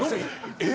えっ？